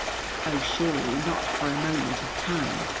Oh, surely not for a moment of time.